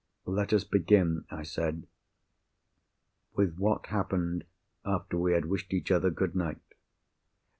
"Let us begin," I said, "with what happened after we had wished each other good night.